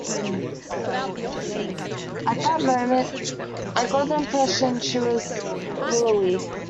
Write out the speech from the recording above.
At that moment I got the impression that she was willowy.